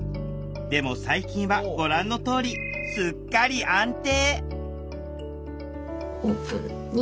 でも最近はご覧のとおりすっかり安定！